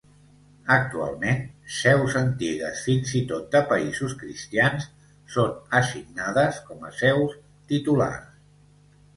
Actualment seus antigues fins i tot de països cristians són assignades com a seus titulars.